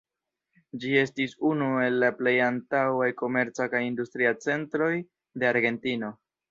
Ĝi estis unu el la plej antaŭaj komerca kaj industria centroj de Argentino.